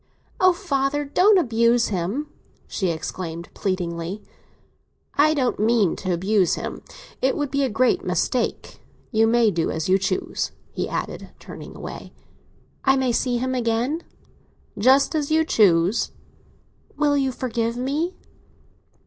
"Oh, father, don't abuse him!" she exclaimed pleadingly. "I don't mean to abuse him; it would be a great mistake. You may do as you choose," he added, turning away. "I may see him again?" "Just as you choose." "Will you forgive me?"